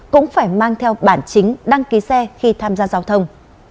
cũng phải mang theo bản chính đăng ký xe khi tham gia giao thông